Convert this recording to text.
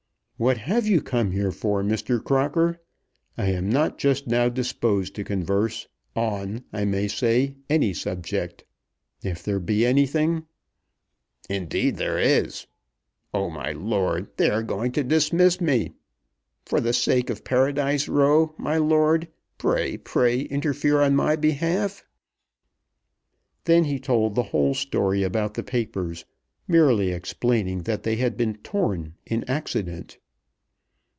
"What have you come here for, Mr. Crocker? I am not just now disposed to converse, on, I may say, any subject. If there be anything " "Indeed, there is. Oh, my lord, they are going to dismiss me! For the sake of Paradise Row, my lord, pray, pray, interfere on my behalf." Then he told the whole story about the papers, merely explaining that they had been torn in accident.